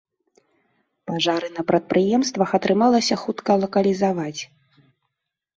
Пажары на прадпрыемствах атрымалася хутка лакалізаваць.